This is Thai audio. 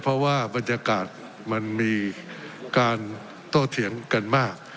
เพราะว่าบรรยากาศมันมีการโตเถียงกันมาก